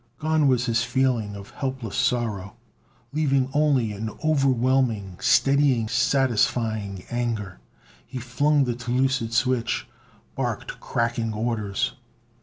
Gone was his feeling of helpless sorrow, leaving only an overwhelming, steadying, satisfying anger. He flung the telucid switch, barked cracking orders.